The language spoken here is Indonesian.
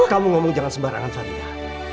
kamu ngomong jangan sembarangan sadiyah